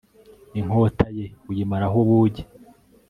inkota ye uyimaraho ubugi